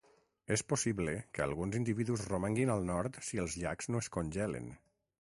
És possible que alguns individus romanguin al nord si els llacs no es congelen.